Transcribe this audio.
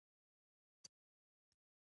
زه په دې وحشتناکو شېبو کې د زړه خواله درسره کوم.